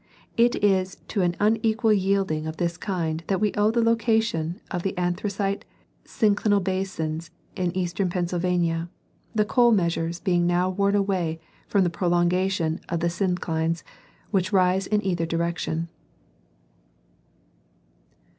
It is to an unequal yielding of this kind that we owe the location of the Anthracite synclinal basins in eastern Pennsylvania, the Coal Measures being now worn away from the prolongation of the synclines, which rise in either direction.